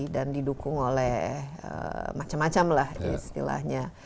dan didukung oleh macam macam lah istilahnya